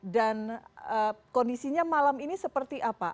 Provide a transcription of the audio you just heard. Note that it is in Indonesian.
dan kondisinya malam ini seperti apa